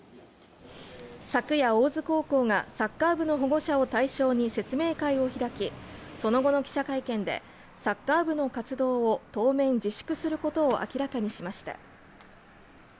昨夜、大津高校がサッカー部の保護者を対象に説明会を開き、その後の記者会見でサッカー部の活動を当面自粛することを明らかにしました。